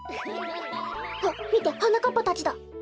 あみてはなかっぱたちだ。